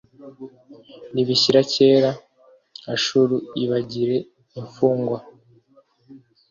nibishyira kera ashuru ibagire imfungwa.